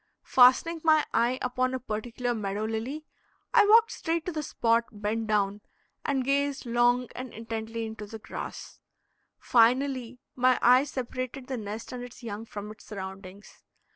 Fastening my eye upon a particular meadow lily, I walked straight to the spot, bent down, and gazed long and intently into the grass. Finally my eye separated the nest and its young from its surroundings.